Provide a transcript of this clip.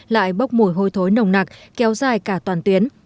lại bốc mùi hôi thối nồng nặc kéo dài cả toàn tuyến